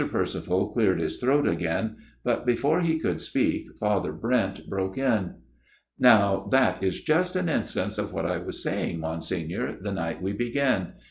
Percival cleared his throat again ; but before he could speak Father Brent broke in. " Now that is just an instance of what I was saying, Monsignor, the night we began.